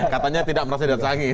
katanya tidak merasa dia sangi